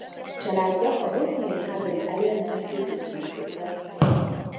Családja a boszniai háború elől menekült Luxemburgba.